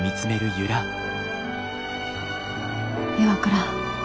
岩倉